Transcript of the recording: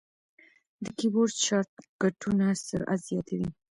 د کیبورډ شارټ کټونه سرعت زیاتوي.